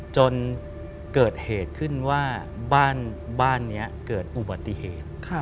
จนเกิดเหตุขึ้นว่าบ้านนี้เกิดอุบัติเหตุ